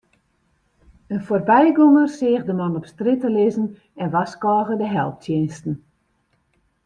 In foarbygonger seach de man op strjitte lizzen en warskôge de helptsjinsten.